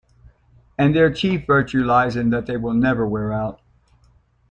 And their chief virtue lies in that they will never wear out.